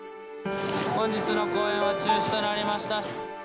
本日の公演は中止となりました。